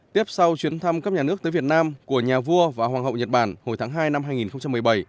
tiếp sau chuyến thăm cấp nhà nước tới việt nam của nhà vua và hoàng hậu nhật bản hồi tháng hai năm hai nghìn một mươi bảy